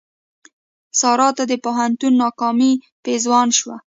سارا ته د پوهنتون ناکامي پېزوان شو.